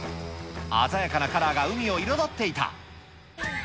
鮮やかなカラーが海を彩っていた。